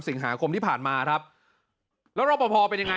สิงหาคมที่ผ่านมาครับแล้วรอปภเป็นยังไง